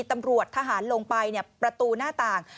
ตำรวจทหารลงไปประตูหน้าต่าง